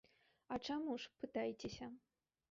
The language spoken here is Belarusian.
А чаму ж, пытайцеся.